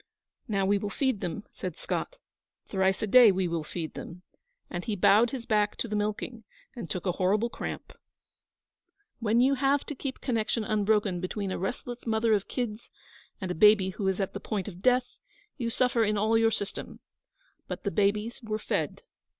'Now we will feed them,' said Scott; 'thrice a day we will feed them'; and he bowed his back to the milking, and took a horrible cramp. When you have to keep connection unbroken between a restless mother of kids and a baby who is at the point of death, you suffer in all your system. But the babies were fed.